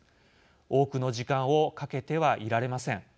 多くの時間をかけてはいられません。